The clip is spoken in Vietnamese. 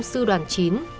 sư đoàn chín